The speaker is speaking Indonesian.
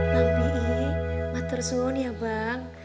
bang p i mataresun ya bang